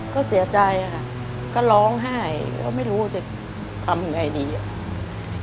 ก็เสียใจอะค่ะก็ร้องไห้ก็ไม่รู้จะทำไงดีอ่ะ